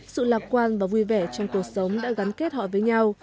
sự lạc quan và vui vẻ trong cuộc sống đã gắn kết họ với nhau